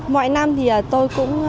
mọi năm thì tôi cũng